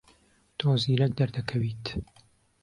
تۆ زیرەک دەردەکەویت.